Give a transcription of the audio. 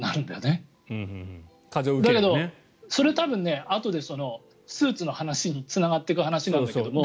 だけど、それは多分あとでスーツの話につながっていく話なんだけど。